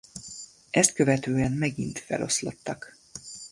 Ezt követően megint feloszlottak.